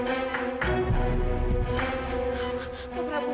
iya masih berani